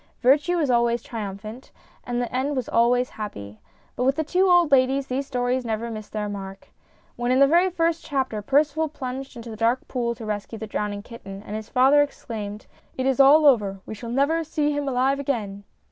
Virtue was always triumphant, and the end was always happy. But with the two old ladies these stories never missed their mark. When in the very first chapter Percival plunged into the dark pool to rescue the drowning kitten, and his father exclaimed :" It is all over ; we shall never see him alive again